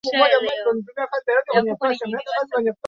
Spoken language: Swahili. Kemikali hizi hukasirisha usawa na kuua maelfu ya viumbe vya majini